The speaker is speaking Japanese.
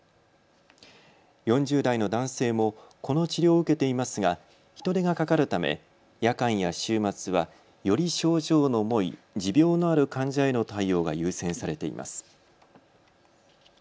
４０代の男性も、この治療を受けていますが人手がかかるため夜間や週末はより症状の重い持病のある患者への対応が優先されています。